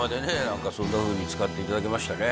何かそんなふうに使っていただけましたね